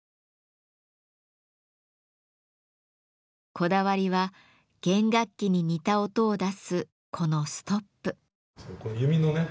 こだわりは弦楽器に似た音を出すこの「ストップ」。